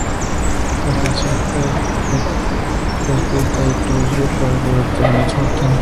La canción fue co-escrita y producida por el productor Max Martin.